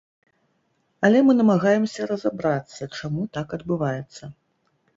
Але мы намагаемся разабрацца, чаму так адбываецца.